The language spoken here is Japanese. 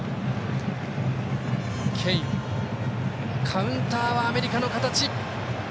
カウンターはアメリカの形。